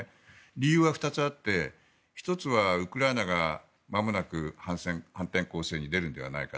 理由は２つあって１つはウクライナが、まもなく反転攻勢に出るのではないか。